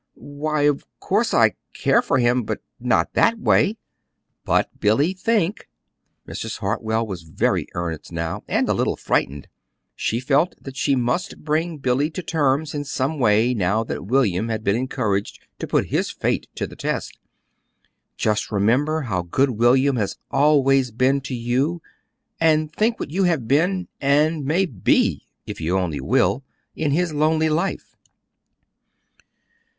"Why, of course I care for him but not that way." "But, Billy, think!" Mrs. Hartwell was very earnest now, and a little frightened. She felt that she must bring Billy to terms in some way now that William had been encouraged to put his fate to the test. "Just remember how good William has always been to you, and think what you have been, and may BE if you only will in his lonely life.